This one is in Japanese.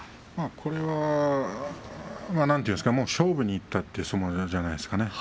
これは勝負にいったって相撲じゃないでしょうか。